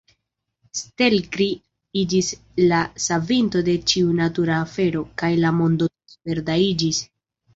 Stelkri iĝis la savinto de ĉiu natura afero, kaj la mondo tute verda iĝis.